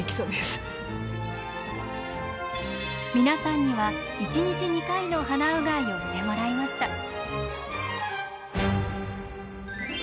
皆さんには１日２回の鼻うがいをしてもらいました。